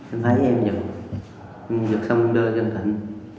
em thấy em giật giật xong đưa cho thịnh